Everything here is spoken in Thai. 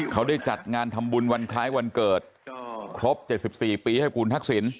เขาได้จัดงานทำบุญวันคล้ายวันเกิดครบ๗๔ปีให้คุณทักษิณ